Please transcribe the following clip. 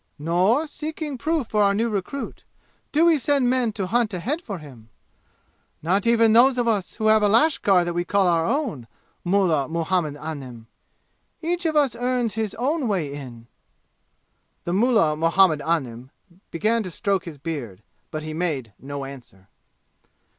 Nor, seeking proof for our new recruit, do we send men to hunt a head for him not even those of us who have a lashkar that we call our own, mullah Muhammad Anim. Each of us earns his own way in!" The mullah Muhammad Anim began to stroke his beard, but he made no answer.